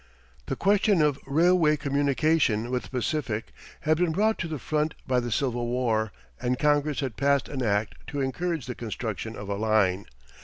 The question of railway communication with the Pacific had been brought to the front by the Civil War, and Congress had passed an act to encourage the construction of a line.